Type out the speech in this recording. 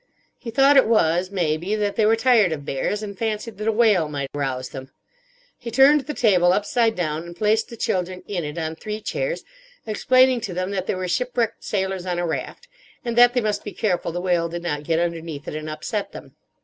He thought it was, maybe, that they were tired of bears, and fancied that a whale might rouse them. He turned the table upside down and placed the children in it on three chairs, explaining to them that they were ship wrecked sailors on a raft, and that they must be careful the whale did not get underneath it and upset them.